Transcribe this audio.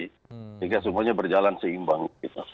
sehingga semuanya berjalan seimbang